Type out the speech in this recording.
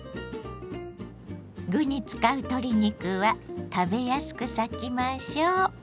具に使う鶏肉は食べやすく裂きましょう。